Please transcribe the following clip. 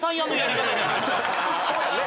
そうやね。